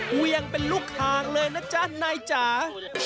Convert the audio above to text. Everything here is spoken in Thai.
กูยังเป็นลูกห่างเลยนะจ๊ะนายจ๊ะ